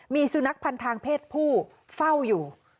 มีสุนัขพันธ์ทางเพศผู้เฝ้าอยู่